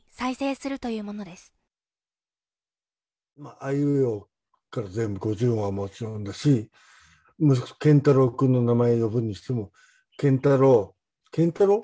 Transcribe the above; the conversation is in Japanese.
「あいうえお」から全部５０音はもちろんだし謙太郎くんの名前を呼ぶにしても「謙太郎」「謙太郎？」